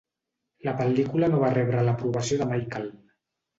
La pel·lícula no va rebre l'aprovació de Mykle.